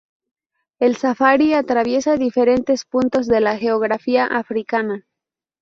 El Safari atraviesa diferentes puntos de la geografía africana.